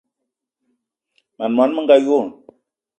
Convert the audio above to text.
Mań món menga wo!